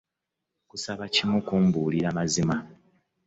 Nkusaba kimu kumbuulira mazima.